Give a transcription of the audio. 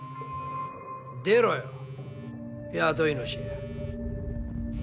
出ろよ雇い主。